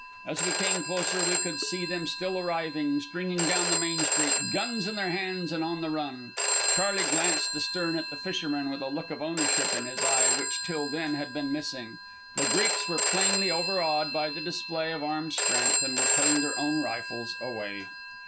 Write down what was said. As we came closer, we could see them still arriving, stringing down the main street, guns in their hands and on the run. Charley glanced astern at the fishermen with a look of ownership in his eye which till then had been missing. The Greeks were plainly overawed by the display of armed strength and were putting their own rifles away.